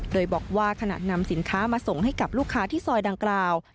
โดยบอกว่าขณะนำสินค้ามาส่งให้กับลูกค้าที่ซอยดังกล่าว